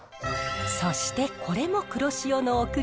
そしてこれも黒潮の贈り物。